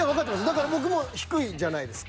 だから僕も低いじゃないですか。